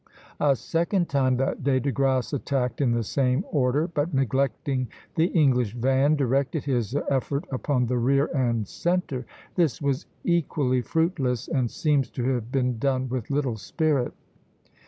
A second time that day De Grasse attacked in the same order, but neglecting the English van, directed his effort upon the rear and centre. This was equally fruitless, and seems to have been done with little spirit.